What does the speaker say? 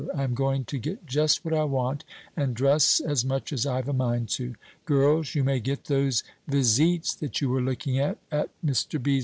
I am going to get just what I want, and dress as much as I've a mind to. Girls, you may get those visites that you were looking at at Mr. B.'